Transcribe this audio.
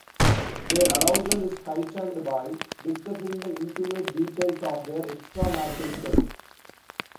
Their arousal is heightened by discussing the intimate details of their extramarital sex.